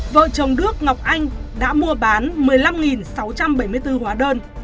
vợ chồng đức ngọc anh đã mua bán một mươi năm sáu trăm bảy mươi bốn hóa đơn